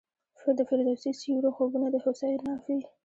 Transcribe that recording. د فردوسي سیورو خوبونه د هوسیو نافي